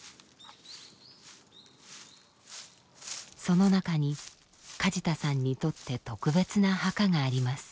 その中に梶田さんにとって特別な墓があります。